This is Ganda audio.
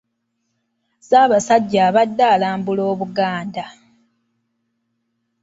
Ssaabasajja abadde alambula Obuganda.